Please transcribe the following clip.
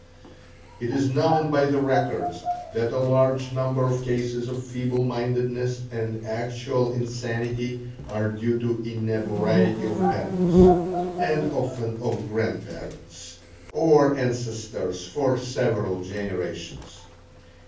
It is known by the records that a large number of cases of feeble mindedness and actual insanity are due to inebriety of parents, and often of grandparents, or ancestors for several generations.